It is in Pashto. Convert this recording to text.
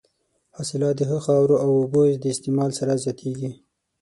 حاصلات د ښه خاورو او اوبو د استعمال سره زیاتېږي.